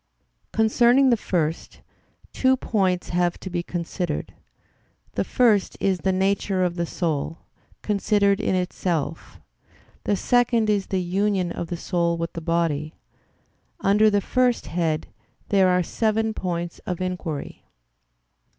Concerning the first, two points have to be considered; the first is the nature of the soul considered in itself; the second is the union of the soul with the body. Under the first head there are seven points of inquiry.